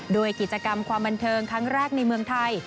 ด้วยกิจกรรมความบันเทิงครั้งแรกในเมืองไทย